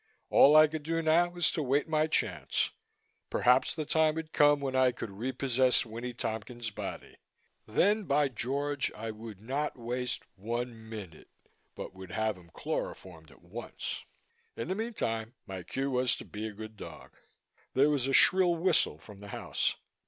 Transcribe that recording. All I could do now was to wait my chance. Perhaps the time would come when I could repossess Winnie Tompkins' body. Then, by George! I would not waste one minute but would have him chloroformed at once. In the meantime, my cue was to be a good dog. There was a shrill whistle from the house.